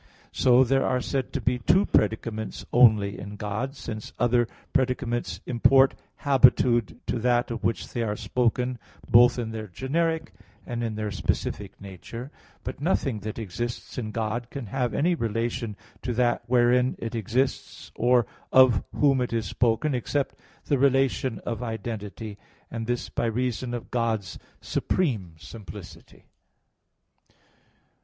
So there are said to be two predicaments only in God, since other predicaments import habitude to that of which they are spoken, both in their generic and in their specific nature; but nothing that exists in God can have any relation to that wherein it exists or of whom it is spoken, except the relation of identity; and this by reason of God's supreme simplicity.